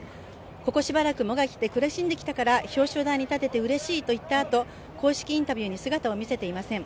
ここしばらくもがき苦しんできたから表彰台に立ててうれしいと言ったあと公式インタビューに姿を見せていません。